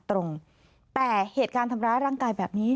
ตรงแต่เหตุการณ์ทำร้ายร่างกายแบบนี้